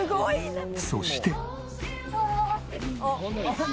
そして。